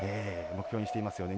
目標にしていますよね。